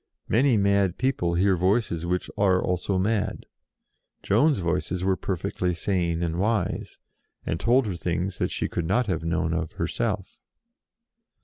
Many mad people hear Voices which are also mad ; Joan's Voices were perfectly sane and wise, and told her things that she could not have known of herself.